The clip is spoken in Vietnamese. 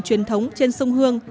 truyền thống trên sông hương